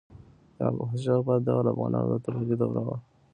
د احمد شاه بابا دور د افغانانو د اتلولی دوره وه.